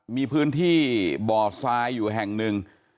มีพื้นที่บ่อทรายอยู่แห่งหนึ่ง